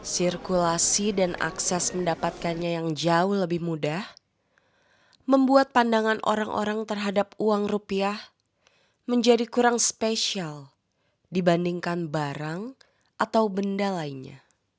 sirkulasi dan akses mendapatkannya yang jauh lebih mudah membuat pandangan orang orang terhadap uang rupiah menjadi kurang spesial dibandingkan barang atau benda lainnya